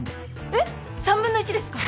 えっ３分の１ですか？